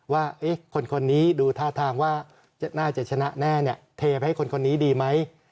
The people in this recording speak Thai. ว่าคนนี้ดูท่าทางว่าน่าจะชนะแน่เทไปให้คนนี้ดีไหม